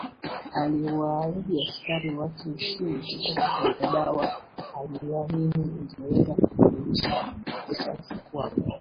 aliyewaahidi askari wake ushindi kutoka kwenye dawa aliyoamini ingeweza kubadilisha risasi kuwa maji